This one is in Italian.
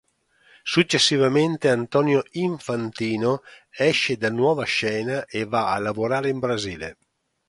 Successivamente, Antonio Infantino esce da Nuova Scena e va a lavorare in Brasile.